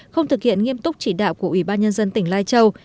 không thực hiện nghiêm túc chỉ đạo của ủy ban nhân dân tỉnh lai châu